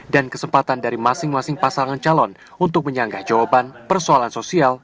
dan kesempatan dari masing masing pasangan calon untuk menyanggah jawaban persoalan sosial